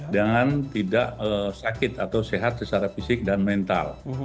dengan tidak sakit atau sehat secara fisik dan mental